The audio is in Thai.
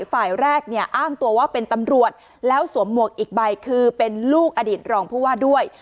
ฝ่ายแรกเนี่ยอ้างตัวว่าเป็นตำรวจแล้วสวมหมวกอีกใบคือเป็นลูกอดีตรองผู้ว่าด้วย